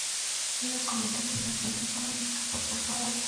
Ella comenta que su influencia por la música fue por su abuelo.